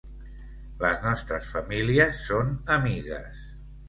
Les nostres famílies son amigues.